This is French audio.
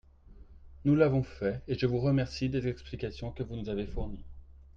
Nous l’avons fait, et je vous remercie des explications que vous nous avez fournies.